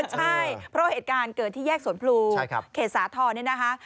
ใช่พอเหตุการณ์เกิดที่แยกสวนภรูเขตสาทรนี่นะครับ